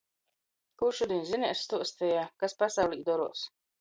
Kū šudiņ zinēs stuosteja, kas pasaulī doruos?